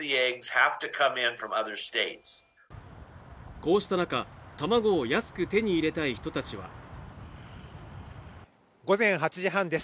こうした中卵を安く手に入れたい人たちは午前８時半です